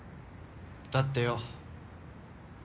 だってよ。